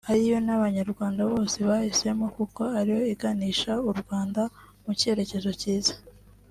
ariyo n’abanyarwanda bose bahisemo kuko ari yo iganisha u Rwanda mu cyerekezo cyiza